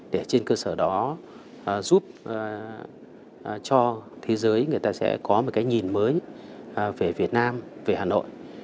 để trên cơ sở đó giúp cho thế giới người ta sẽ có một cái nhìn mới về việt nam về hà nội